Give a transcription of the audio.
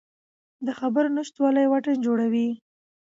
د خبرو نشتوالی واټن جوړوي